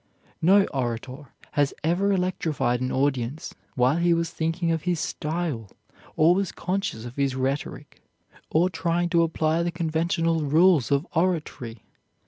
No orator has ever electrified an audience while he was thinking of his style or was conscious of his rhetoric, or trying to apply the conventional rules of oratory.